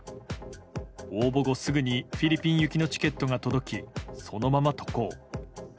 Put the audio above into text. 応募後すぐにフィリピン行きのチケットが届きそのまま渡航。